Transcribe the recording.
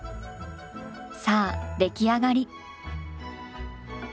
さあ出来上がり。